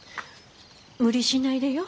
無理しないでよ。